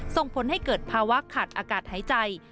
ส่งผลให้เกิดภาวะขาดอากาศหายใจ